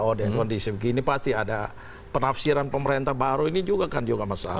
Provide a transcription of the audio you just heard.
oh dengan kondisi begini pasti ada penafsiran pemerintah baru ini juga kan juga masalah